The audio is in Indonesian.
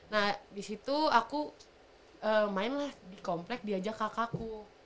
nah disitu aku main lah di komplek diajak kakakku